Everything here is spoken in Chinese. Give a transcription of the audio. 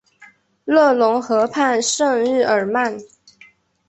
勒农河畔圣日耳曼。